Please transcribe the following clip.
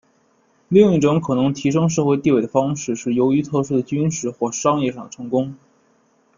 另一种可能提升社会地位的方式是由于特殊的军事或商业上的成功。